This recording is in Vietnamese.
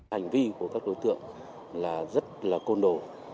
hành vi của các đối tượng là rất là côn đồ